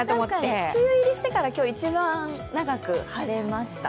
確かに梅雨入りしてから今日一番長く晴れました。